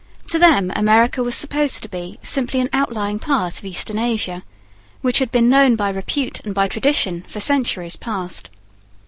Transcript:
To them America was supposed to be simply an outlying part of Eastern Asia, which had been known by repute and by tradition for centuries past.